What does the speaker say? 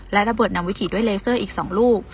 และระเบิดนำวิถีด้วยเลเซอร์อีก๒ลูก